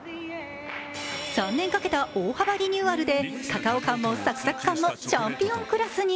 ３年かけた大幅リニューアルでカカオ感もサクサク感もチャンピオンクラスに。